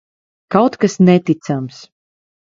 Kaut kas neticams.